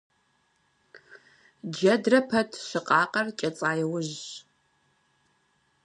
Джэдрэ пэт щыкъакъэр кӀэцӀа иужьщ.